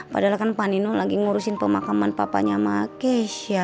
padahal kan pak nino lagi ngurusin pemakaman papanya sama keisha